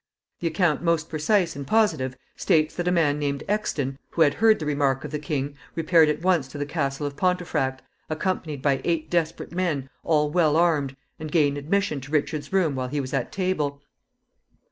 The account most precise and positive states that a man named Exton, who had heard the remark of the king, repaired at once to the castle of Pontefract, accompanied by eight desperate men, all well armed, and gained admission to Richard's room while he was at table.